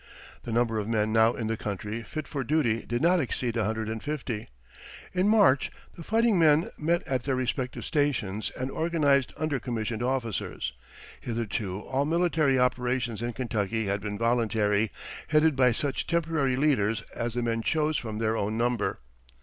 The number of men now in the country fit for duty did not exceed a hundred and fifty. In March the fighting men met at their respective stations and organized under commissioned officers; hitherto all military operations in Kentucky had been voluntary, headed by such temporary leaders as the men chose from their own number.